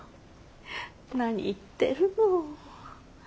何言ってるの。